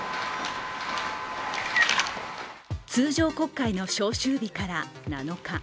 通常国会の召集日から７日。